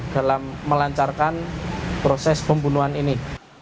dalam melancarkan proses pembunuhan ini